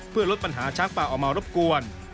เพื่อลดปัญหาช้างป่าออกมารบกวน